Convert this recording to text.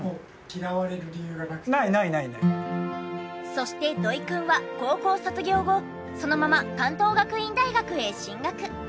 そして土井くんは高校卒業後そのまま関東学院大学へ進学。